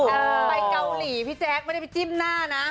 ไปเกาหลีพี่แจ๊คไม่ได้ไปจิ้มหน้านะ